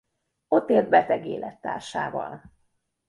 Ott élt beteg élettársával.